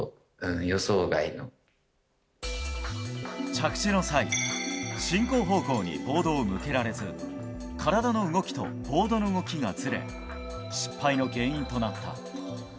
着地の際進行方向にボードを向けられず体の動きとボードの動きがずれ失敗の原因となった。